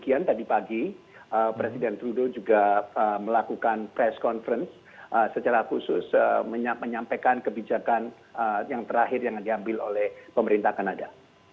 demikian tadi pagi presiden trudeau juga melakukan press conference secara khusus menyampaikan kebijakan yang terakhir yang diambil oleh pemerintah kanada